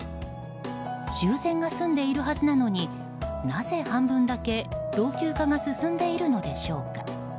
修繕が済んでいるはずなのになぜ半分だけ老朽化が進んでいるのでしょうか。